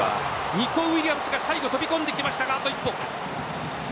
ニコウィリアムズが最後、飛び込んできましたが。